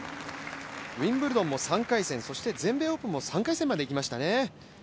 ウインブルドンも３回戦、全米オープンも３回戦までいきましたね。